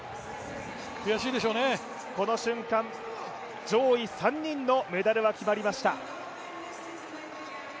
この瞬間、上位３人のメダルが決まりました。